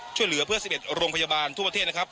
ช่วยเหลือเพื่อ๑๑โรงพยาบาลทั่วประเทศนะครับ